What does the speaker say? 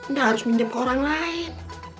gak harus minjem ke orang lain